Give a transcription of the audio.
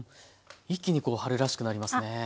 一気に春らしくなりますね。